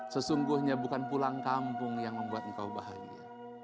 sesungguhnya bukan pulang kampung yang membuat engkau bahagia